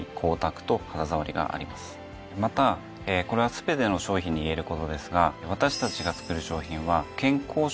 またこれは全ての商品に言えることですが私たちが作る商品は。